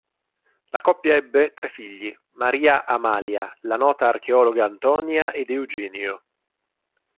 La coppia ebbe tre figli: Maria Amalia, la nota archeologa Antonia, ed Eugenio.